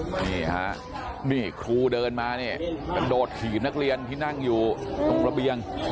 นี่ฮะนี่ครูเดินมานี่กระโดดถีบนักเรียนที่นั่งอยู่ตรงระเบียง